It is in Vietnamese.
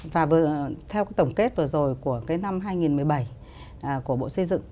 và theo tổng kết vừa rồi của cái năm hai nghìn một mươi bảy của bộ xây dựng